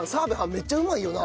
めっちゃうまいよな。